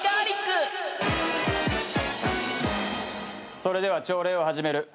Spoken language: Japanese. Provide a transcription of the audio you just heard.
それでは朝礼を始める。